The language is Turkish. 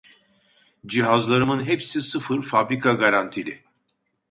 Cihazlarımın hepsi sıfır fabrika garantili